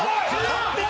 完璧！」